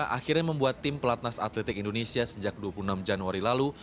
akhirnya membuat tim pelatnas atletik indonesia sejak dua puluh enam januari lalu